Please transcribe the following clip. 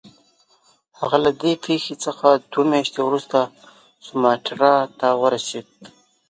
هغه له دې پیښې څخه دوې میاشتې وروسته سوماټرا ته ورسېد.